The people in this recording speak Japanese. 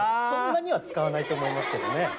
そんなには使わないと思いますけどね。